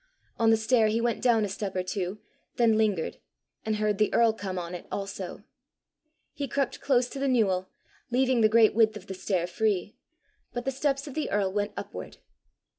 On the stair he went down a step or two, then lingered, and heard the earl come on it also. He crept close to the newel, leaving the great width of the stair free, but the steps of the earl went upward.